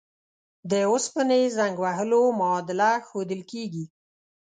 د اوسپنې زنګ وهلو معادله ښودل کیږي.